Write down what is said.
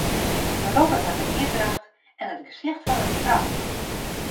De robot hat de hierdracht en it gesicht fan in frou.